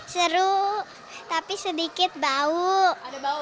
seru tapi sedikit bau ada bau nggak apa apa bau